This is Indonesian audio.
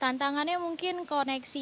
tantangannya mungkin koneksi